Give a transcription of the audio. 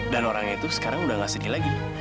dan orang itu sekarang udah gak sedih lagi